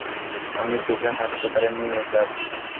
আমি তোকে হাসপাতালে নিয়ে যাবো।